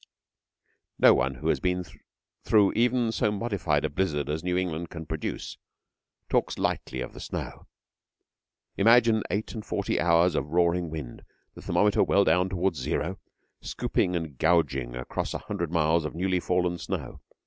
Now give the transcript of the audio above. No one who has been through even so modified a blizzard as New England can produce talks lightly of the snow. Imagine eight and forty hours of roaring wind, the thermometer well down towards zero, scooping and gouging across a hundred miles of newly fallen snow.